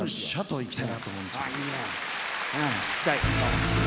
聴きたい。